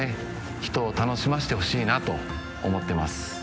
人を楽しませてほしいなと思ってます